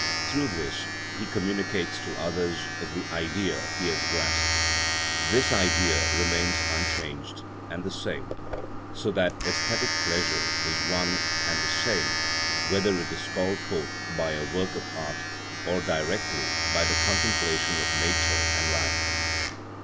Through this he communicates to others the Idea he has grasped. This Idea remains unchanged and the same, so that æsthetic pleasure is one and the same whether it is called forth by a work of art or directly by the contemplation of nature and life.